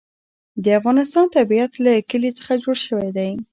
د افغانستان طبیعت له کلي څخه جوړ شوی دی.